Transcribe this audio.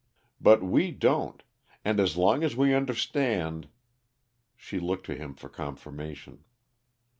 But we don't; and as long as we understand " She looked to him for confirmation.